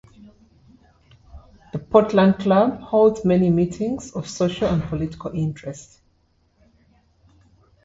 The Portland Club holds many meetings of social and political interest.